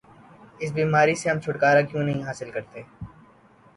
اس بیماری سے ہم چھٹکارا کیوں نہیں حاصل کرتے؟